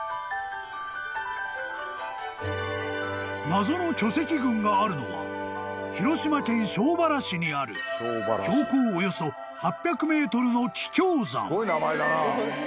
［謎の巨石群があるのは広島県庄原市にある標高およそ８００ｍの］